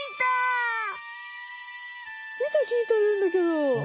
いとひいてるんだけど。